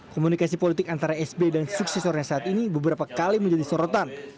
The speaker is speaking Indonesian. komunikasi politik antara sbe dan suksesornya saat ini beberapa kali menjadi sorotan